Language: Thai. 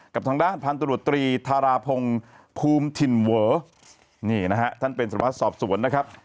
กับทางด้านพันตรวจตรีธาราพงศ์ภูมิถิ่นเวอนี่นะฮะท่านเป็นสวัสดิ์สอบสวนนะครับ